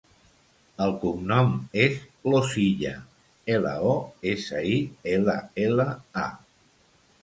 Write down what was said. El cognom és Losilla: ela, o, essa, i, ela, ela, a.